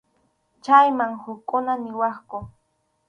Chayman hukkuna niwaqku.